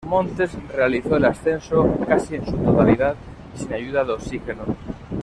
Montes realizó el ascenso, casi en su totalidad, sin ayuda de oxígeno.